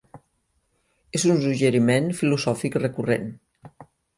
És un suggeriment filosòfic recurrent.